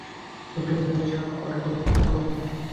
খুঁটিয়ে খুঁটিয়ে সব কটা পত্রিকা পড়লেন।